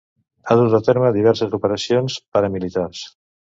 Ha dut a terme diverses operacions paramilitars.